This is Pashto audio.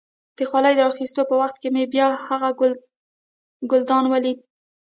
د خولۍ د را اخيستو په وخت کې مې بیا هغه ګلدان ولید.